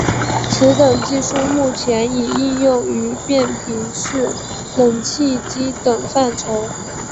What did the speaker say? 此等技术目前已应用于变频式冷气机等范畴。